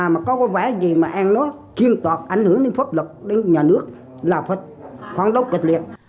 mà có vẻ gì mà ăn nó chuyên toạt ảnh hưởng đến pháp lực đến nhà nước là phải phán đấu kịch liệt